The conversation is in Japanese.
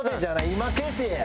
今消せや！